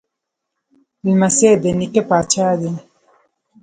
لمسی د نیکه پاچا دی.